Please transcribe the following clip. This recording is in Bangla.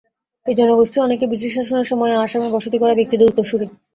এই জনগোষ্ঠীর অনেকেই ব্রিটিশ শাসনের সময় আসামে বসতি গড়া ব্যক্তিদের উত্তরসূরি।